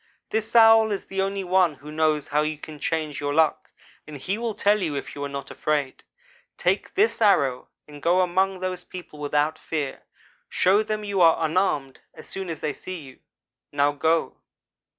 This Owl is the only one who knows how you can change your luck, and he will tell you if you are not afraid. Take this arrow and go among those people, without fear. Show them you are unarmed as soon as they see you. Now go!'